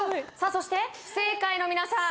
そして不正解の皆さん